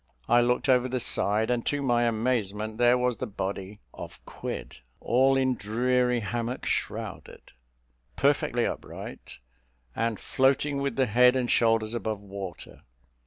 I looked over the side, and, to my amazement there was the body of Quid, "All in dreary hammock shrouded," perfectly upright, and floating with the head and shoulders above water.